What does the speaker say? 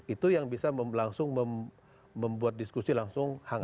itu yang bisa langsung membuat diskusi langsung hangat